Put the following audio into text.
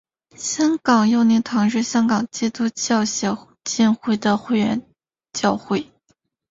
香港佑宁堂是香港基督教协进会的会员教会。